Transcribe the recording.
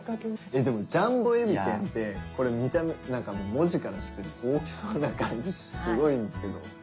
ジャンボ海老天ってこれ見た目なんか文字からして大きそうな感じすごいんですけど。